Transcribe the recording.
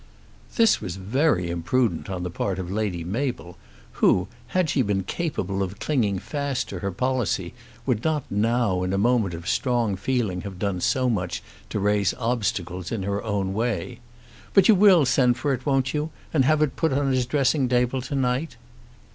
This was very imprudent on the part of Lady Mabel, who, had she been capable of clinging fast to her policy, would not now in a moment of strong feeling have done so much to raise obstacles in her own way. "But you will send for it, won't you, and have it put on his dressing table to night?"